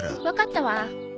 わかったわ。